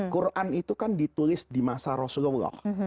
quran itu kan ditulis di masa rasulullah